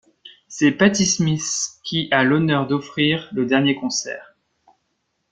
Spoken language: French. C'est Patti Smith qui a l'honneur d'offrir le dernier concert.